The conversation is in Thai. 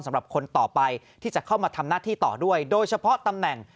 สำหรับคนต่อไปที่จะเข้ามาทำหน้าที่ต่อด้วยโดยเฉพาะตำแหน่ง